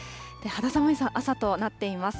肌寒い朝となっています。